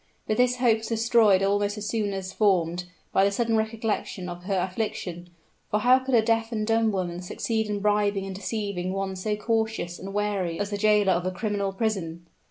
But this hope was destroyed almost as soon as formed, by the sudden recollection of her affliction; for how could a deaf and dumb woman succeed in bribing and deceiving one so cautious and wary as the jailer of a criminal prison?